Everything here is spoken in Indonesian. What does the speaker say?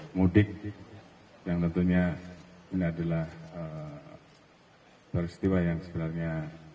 mudik yang tentunya ini adalah peristiwa yang sebenarnya